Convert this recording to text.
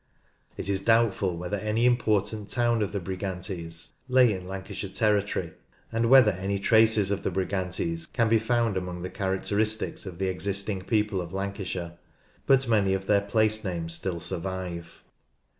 It is doubtful whether any important town of the Brigantes lay in Lancashire territory, and whether any traces of the Brigantes can be found among the characteristics of the existing people of Lancashire. But many of their place names still survive.